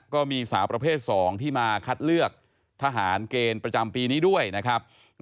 ก็มีสาวประเภท๒ที่มาคัดเลือกทหารเกณฑ์ประจำปีนี้ด้วยนะครับ